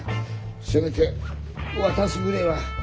せめて渡すぐれえは。